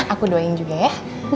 aku doain juga ya